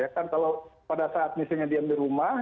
kalau pada saat misalnya diam di rumah